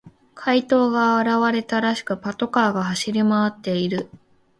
怪盗が現れたらしく、パトカーが走り回っている。